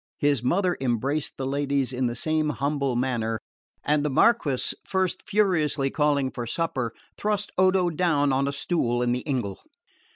His mother embraced the ladies in the same humble manner, and the Marquess, first furiously calling for supper, thrust Odo down on a stool in the ingle.